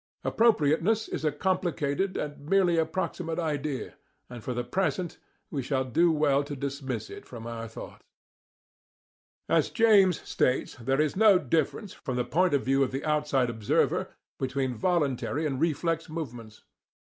Appropriateness is a complicated and merely approximate idea, and for the present we shall do well to dismiss it from our thoughts. As James states, there is no difference, from the point of view of the outside observer, between voluntary and reflex movements.